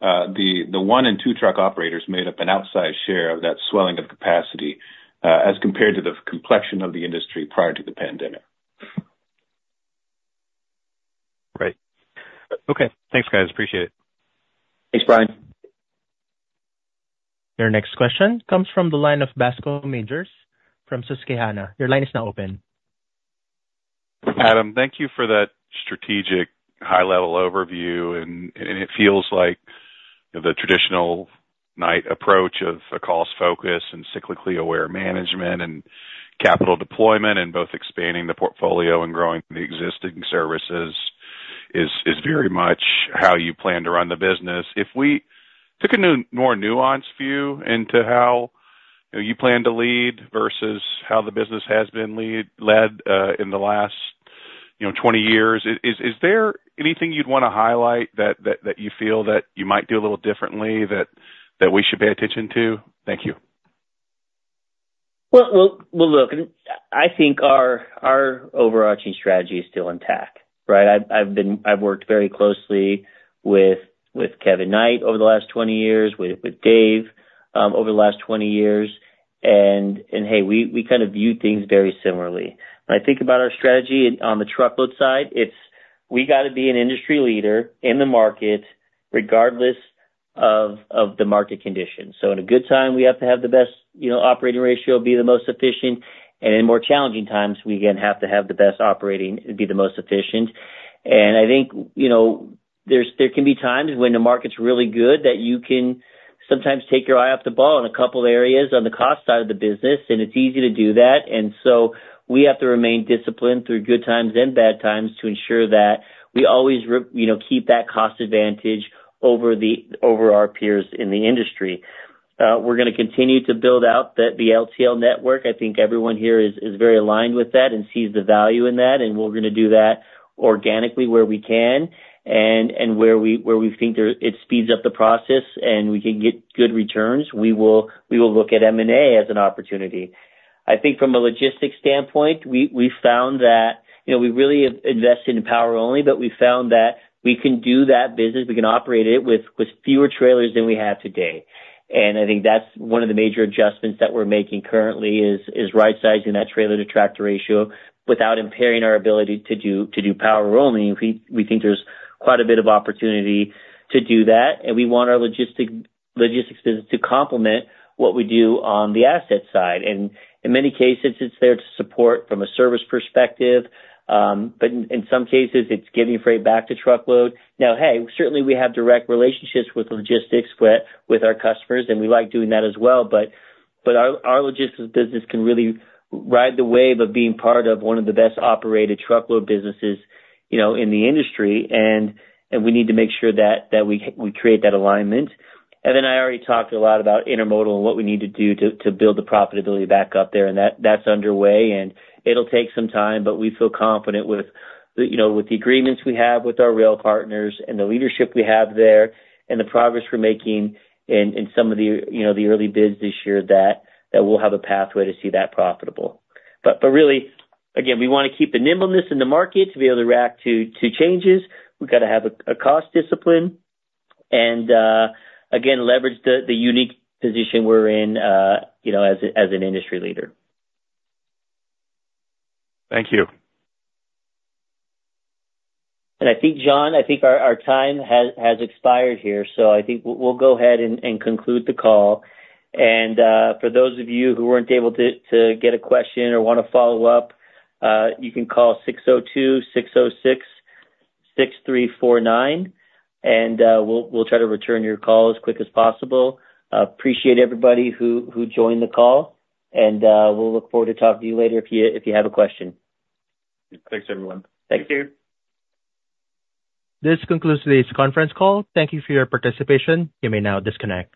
the 1- and 2-truck operators made up an outsized share of that swelling of capacity as compared to the complexion of the industry prior to the pandemic. Right. Okay. Thanks, guys. Appreciate it. Thanks, Brian. Your next question comes from the line of Bascome Majors from Susquehanna. Your line is now open. Adam, thank you for that strategic high-level overview. It feels like the traditional Knight approach of a cost-focus and cyclically aware management and capital deployment and both expanding the portfolio and growing the existing services is very much how you plan to run the business. If we took a more nuanced view into how you plan to lead versus how the business has been led in the last 20 years, is there anything you'd want to highlight that you feel that you might do a little differently that we should pay attention to? Thank you. Well, look, I think our overarching strategy is still intact, right? I've worked very closely with Kevin Knight over the last 20 years, with Dave over the last 20 years. Hey, we kind of view things very similarly. When I think about our strategy on the truckload side, we got to be an industry leader in the market regardless of the market conditions. In a good time, we have to have the best operating ratio, be the most efficient. In more challenging times, we again have to have the best operating and be the most efficient. I think there can be times when the market's really good that you can sometimes take your eye off the ball in a couple of areas on the cost side of the business. It's easy to do that. So we have to remain disciplined through good times and bad times to ensure that we always keep that cost advantage over our peers in the industry. We're going to continue to build out the LTL network. I think everyone here is very aligned with that and sees the value in that. We're going to do that organically where we can and where we think it speeds up the process and we can get good returns. We will look at M&A as an opportunity. I think from a logistics standpoint, we found that we really invested in power only, but we found that we can do that business. We can operate it with fewer trailers than we have today. I think that's one of the major adjustments that we're making currently is right-sizing that trailer-to-tractor ratio without impairing our ability to do power only. We think there's quite a bit of opportunity to do that. We want our logistics business to complement what we do on the asset side. In many cases, it's there to support from a service perspective. But in some cases, it's getting freight back to truckload. Now, hey, certainly, we have direct relationships with logistics with our customers, and we like doing that as well. Our logistics business can really ride the wave of being part of one of the best-operated truckload businesses in the industry. We need to make sure that we create that alignment. Then I already talked a lot about Intermodal and what we need to do to build the profitability back up there. That's underway. It'll take some time. But we feel confident with the agreements we have with our rail partners and the leadership we have there and the progress we're making in some of the early bids this year that we'll have a pathway to see that profitable. But really, again, we want to keep the nimbleness in the market to be able to react to changes. We've got to have a cost discipline and, again, leverage the unique position we're in as an industry leader. Thank you. I think, John, I think our time has expired here. I think we'll go ahead and conclude the call. For those of you who weren't able to get a question or want to follow up, you can call 602-606-6349. We'll try to return your call as quick as possible. Appreciate everybody who joined the call. We'll look forward to talking to you later if you have a question. Thanks, everyone. Thank you. This concludes today's conference call. Thank you for your participation. You may now disconnect.